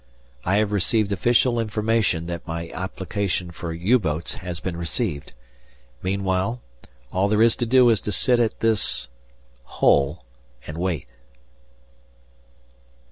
I have received official information that my application for U boats has been received. Meanwhile all there is to do is to sit at this hole and wait.